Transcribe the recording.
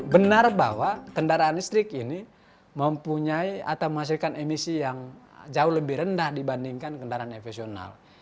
benar bahwa kendaraan listrik ini mempunyai atau menghasilkan emisi yang jauh lebih rendah dibandingkan kendaraan efisien